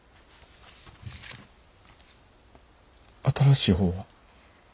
新しい方は？